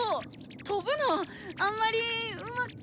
飛ぶのあんまりうまくなくて。